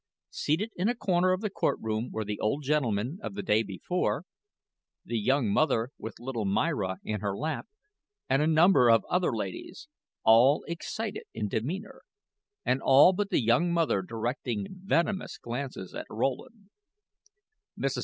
Seated in a corner of the court room were the old gentleman of the day before, the young mother with little Myra in her lap, and a number of other ladies all excited in demeanor; and all but the young mother directing venomous glances at Rowland. Mrs.